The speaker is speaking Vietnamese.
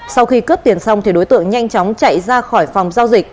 sau khi cướp tiền xong thì đối tượng nhanh chóng chạy ra khỏi phòng giao dịch